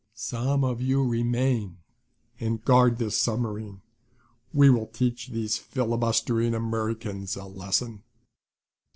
Some of you remain and guard this submarine. We will teach these filibustering Americans a lesson."